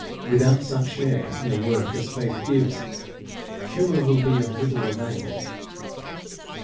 Without such share in the work as faith gives, cure will be of little avail.